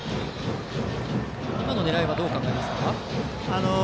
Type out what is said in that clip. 今の狙いはどう考えますか。